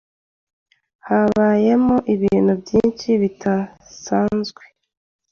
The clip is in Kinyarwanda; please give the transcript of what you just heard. Habayemo ibintu byinshi bidasanzwe